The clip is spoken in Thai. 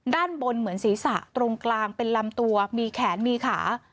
ด้านบนเหมือนศีรษะตรงกลางเป็นลำตัวมีแขนมีขา